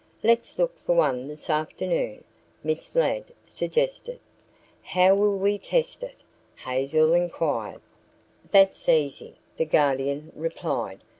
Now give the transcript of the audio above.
"Let's look for one this afternoon," Miss Ladd suggested. "How will we test it?" Hazel inquired. "That's easy," the Guardian replied.